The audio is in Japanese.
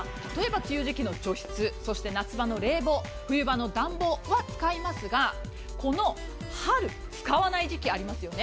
梅雨時期の除湿夏場の冷房冬場の暖房は使いますがこの春、使わない時期がありますよね。